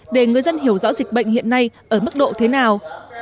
để người dân hiểu rõ dịch bệnh hiện nay ở mức độ thế nào